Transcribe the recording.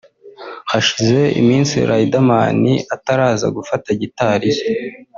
Hashize iminsi Riderman ataraza gufata gitari ye